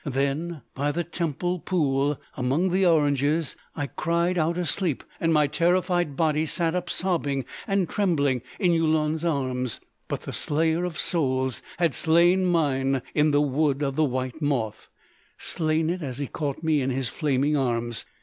Then, by the Temple pool, among the oranges, I cried out asleep; and my terrified body sat up sobbing and trembling in Yulun's arms. But the Slayer of Souls had slain mine in the Wood of the White Moth—slain it as he caught me in his flaming arms....